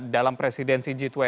dalam presidensi g dua puluh